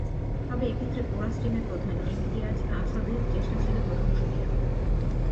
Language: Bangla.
তবে এ ক্ষেত্রে কোরাস টিমের প্রধান ইমতিয়াজ আসাদের চেষ্টা ছিল প্রশংসনীয়।